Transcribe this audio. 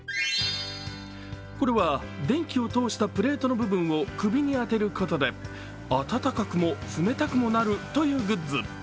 これは電気を通したプレートの部分を首に当てるだけで温かくも冷たくもなるというグッズ。